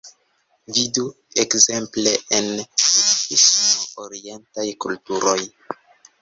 Vidu, ekzemple, en Budhismo, orientaj kulturoj...